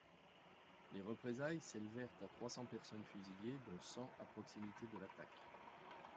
Les représailles s'élevèrent à trois cents personnes fusillées dont cent à proximité de l'attaque.